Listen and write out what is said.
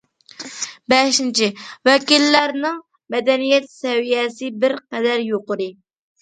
بەشىنچى، ۋەكىللەرنىڭ مەدەنىيەت سەۋىيەسى بىر قەدەر يۇقىرى.